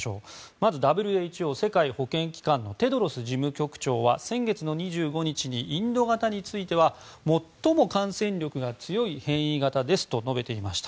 まず、ＷＨＯ・世界保健機関のテドロス事務局長は先月２５日にインド型については最も感染力が強い変異型ですと述べていました。